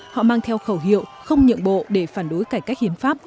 họ mang theo khẩu hiệu không nhượng bộ để phản đối cải cách hiến pháp